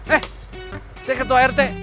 eh saya ketua rt